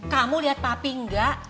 kamu liat papi gak